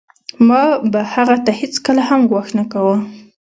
ما به هغه ته هېڅکله هم ګواښ نه کاوه